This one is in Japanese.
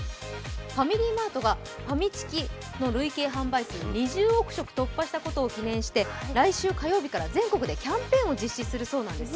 ファミリーマートがファミチキの累計販売数２０億食、突破したことを記念して来週火曜日から全国でキャンペーンを実施するそうなんです。